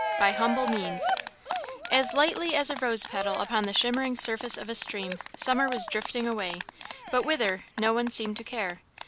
IX. By Humble Means As lightly as a rose petal upon the shimmering surface of a stream, Summer was drifting away, but whither, no one seemed to care.